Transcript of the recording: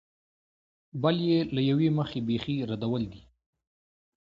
بل یې له یوې مخې بېخي ردول دي.